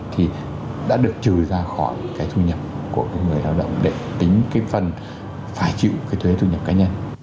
thì đã được trừ ra khỏi thu nhập của người lao động để tính phần phải chịu thuế thu nhập cá nhân